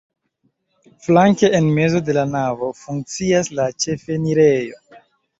Flanke en mezo de la navo funkcias la ĉefenirejo.